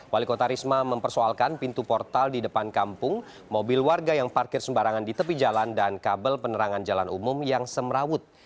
wali kota risma mempersoalkan pintu portal di depan kampung mobil warga yang parkir sembarangan di tepi jalan dan kabel penerangan jalan umum yang semrawut